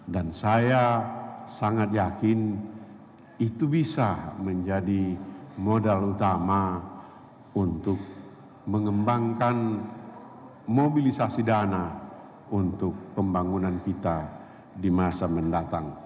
dan saya sangat yakin itu bisa menjadi modal utama untuk mengembangkan mobilisasi dana untuk pembangunan kita di masa mendatang